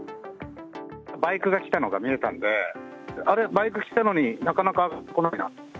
バイクが来たのが見えたんで、あれっ、バイク来たのに、なかなか来ないな。